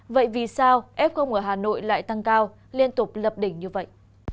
vậy vì sao f ở hà nội lại tăng cao liên tục lập đỉnh như vậy